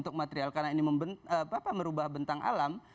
karena ini merubah bentang alam